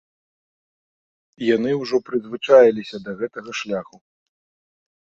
Яны ўжо прызвычаіліся да гэтага шляху.